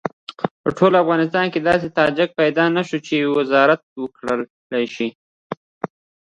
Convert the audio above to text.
په ټول افغانستان کې داسې تاجک پیدا نه شو چې وزارت وکړای شي.